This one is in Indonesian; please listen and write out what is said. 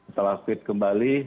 setelah fit kembali